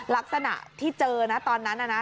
ลักษณะที่เจอนะตอนนั้นน่ะนะ